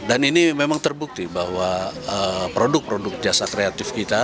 dan ini memang terbukti bahwa produk produk jasa kreatif kita